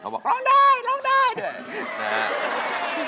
เขาบอกร้องได้ร้องได้